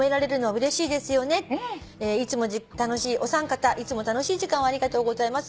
「いつも楽しいお三方いつも楽しい時間をありがとうございます」